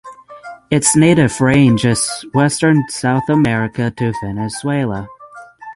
Its native range is western South America to Venezuela.